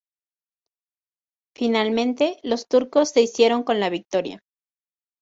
Finalmente, los turcos se hicieron con la victoria.